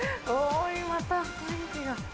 また雰囲気が。